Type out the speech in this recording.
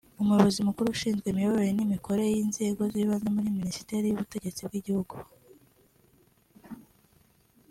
Umuyobozi mukuru ushinzwe imiyoborere n’imikorere y’inzego z’ibanze muri Minisiteri y’Ubutegetsi bw’Igihugu